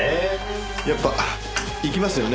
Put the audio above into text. やっぱ行きますよね